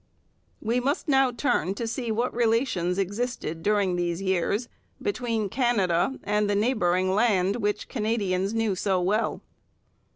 We must now turn to see what relations existed during these years between Canada and the neighbouring land which Canadians knew so well.